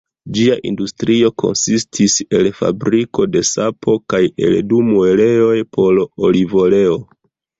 Ĝia industrio konsistis el fabriko de sapo kaj el du muelejoj por olivoleo.